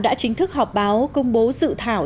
đã chính thức họp báo công bố dự thảo